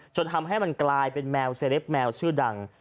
จนทำให้มันกลายเป็นแมวเซลปแมวชื่อดัง